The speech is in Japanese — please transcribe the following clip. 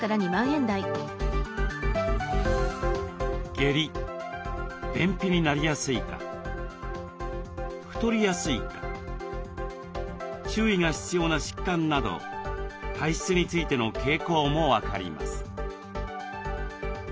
下痢便秘になりやすいか太りやすいか注意が必要な疾患など体質についての傾向も分かります。